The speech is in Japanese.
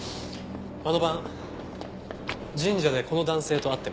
あの晩神社でこの男性と会ってましたね？